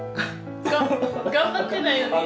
頑張ってないのに。